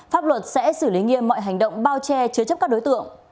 pháp luật sẽ xử lý nghiêm mọi hành động bao che chứa chấp các đối tượng